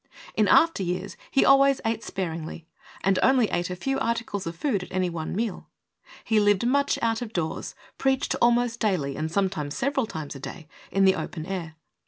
In after years he always ate sparingly, and only ate a few articles of food at any one meal. He lived much out of doors, preached almost daily and sometimes several times a day in the open air.